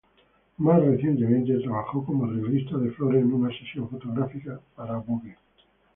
Más recientemente, trabajó como arreglista de flores en una sesión fotográfica para Vogue.